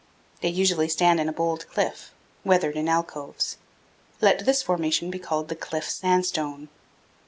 They usually stand in a bold cliff, weathered in alcoves. Let this formation be called the cliff sandstone.